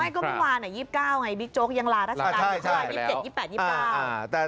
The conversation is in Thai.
ไม่ก็ไม่ว่าน่ะ๒๙ไงบิ๊กโจ๊กยังลาราชการ๒๗๒๘๒๙